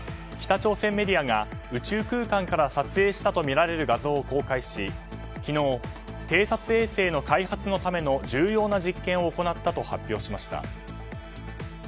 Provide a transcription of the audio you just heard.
北朝鮮メディアが宇宙空間から撮影したとみられる画像を公開し昨日、偵察衛星の開発のための重要な実験を行ったと発表しました。